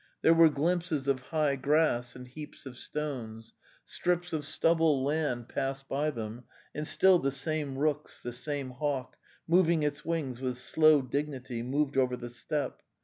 There were glimpses of high grass and heaps of stones; strips of stubble land passed by them and still the same rooks, the same hawk, moving its wings with slow dignity, moved over the steppe.